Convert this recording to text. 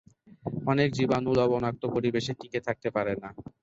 অনেক জীবাণু লবণাক্ত পরিবেশে টিকে থাকতে পারে না।